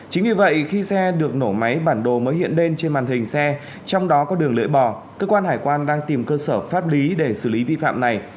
chính vì vậy khi xe được nổ máy bản đồ mới hiện lên trên màn hình xe trong đó có đường lưỡi bò cơ quan hải quan đang tìm cơ sở pháp lý để xử lý vi phạm này